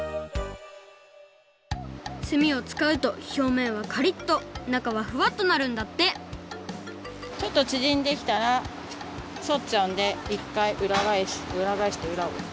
すみをつかうとひょうめんはカリッとなかはフワッとなるんだってちょっとちぢんできたらそっちゃうんでいっかいうらがえしてうらを。